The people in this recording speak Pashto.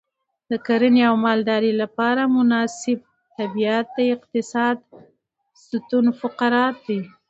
د کرنې او مالدارۍ لپاره مناسب طبیعت د اقتصاد ستون فقرات دی.